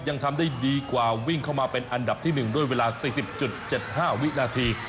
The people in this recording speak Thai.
ยังทำได้ดีกว่าวิ่งเข้ามาเป็นอันดับที่๑ด้วยเวลา๔๐๗๕วินาที